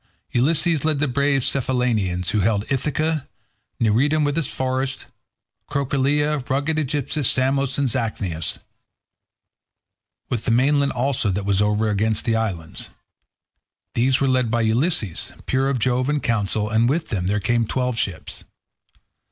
Ulysses led the brave Cephallenians, who held Ithaca, Neritum with its forests, Crocylea, rugged Aegilips, Samos and Zacynthus, with the mainland also that was over against the islands. These were led by Ulysses, peer of Jove in counsel, and with him there came twelve ships.